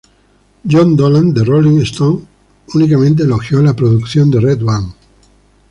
Jon Dolan de "Rolling Stone" únicamente elogio la producción de RedOne.